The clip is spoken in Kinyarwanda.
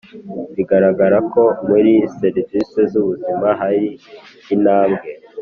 Biragaragara ko muri serivisi z’ ubuzima hari intambwe.